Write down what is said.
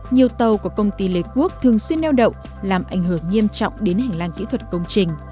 nhiều tàu của công ty lê quốc thường xuyên neo đậu làm ảnh hưởng nghiêm trọng đến hành lang kỹ thuật công trình